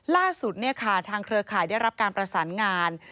ล่าสุดทางเครือข่ายได้รับการประสานงาน